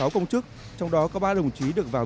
sáu công chức trong đó có ba đồng chí được vào